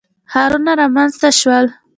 ښارونه رامنځته شول.